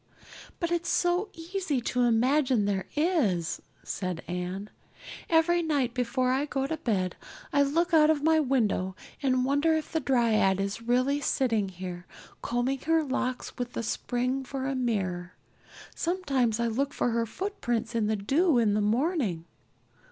"But it's so easy to imagine there is," said Anne. "Every night before I go to bed, I look out of my window and wonder if the dryad is really sitting here, combing her locks with the spring for a mirror. Sometimes I look for her footprints in the dew in the morning.